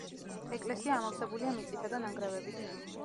ეკლესია ამოვსებულია მიწითა და ნანგრევებით.